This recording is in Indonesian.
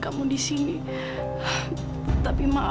itu boong itu pergi